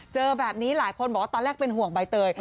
เจอแบบนี้หลายคนบอกว่าตอนแรกเป็นห่วงใบเตย